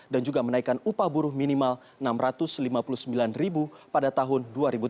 dan juga menaikan upah buruh minimal rp enam ratus lima puluh sembilan pada tahun dua ribu tujuh belas